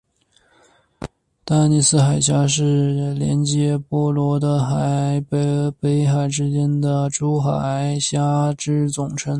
丹尼斯海峡是连结波罗的海和北海之间的诸海峡之总称。